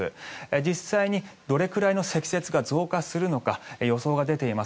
実際にどれくらいの積雪が増加するのか予想が出ています。